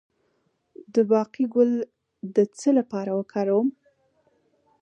د باقلي ګل د څه لپاره وکاروم؟